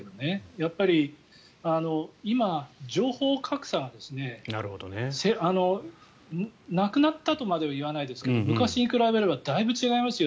やっぱり、今、情報格差がなくなったとまでは言わないですが昔に比べればだいぶ違いますよ。